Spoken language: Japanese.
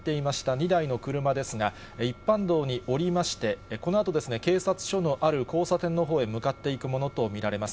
２台の車ですが、一般道に下りまして、このあと警察署のある交差点のほうへ向かっていくものと見られます。